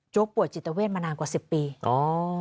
โจ๊กป่วยจิตเวทมานานกว่า๑๐ปี